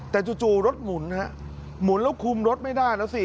แต่จู่รถหมุนครับหมุนแล้วคุมรถไม่ได้นะสิ